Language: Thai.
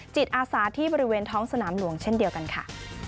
จิตอาสาที่บริเวณท้องสนามหลวงเช่นเดียวกันค่ะ